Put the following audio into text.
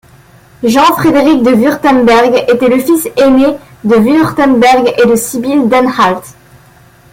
Jean-Frédéric de Wurtemberg était le fils aîné de de Wurtemberg et de Sibylle d'Anhalt.